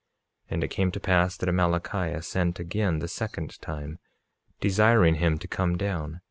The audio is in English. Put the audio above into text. And it came to pass that Amalickiah sent again the second time, desiring him to come down.